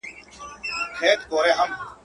جهاني اوس دي په ژبه پوه سوم.